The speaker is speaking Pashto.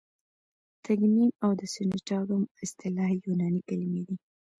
تګمیم او د سینټاګم اصطلاح یوناني کلیمې دي.